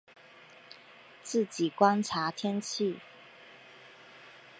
自己观察天气